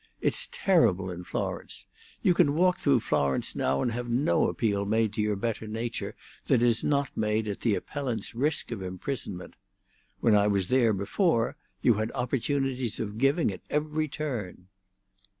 It's terrible in Florence. You can walk through Florence now and have no appeal made to your better nature that is not made at the appellant's risk of imprisonment. When I was there before, you had opportunities of giving at every turn."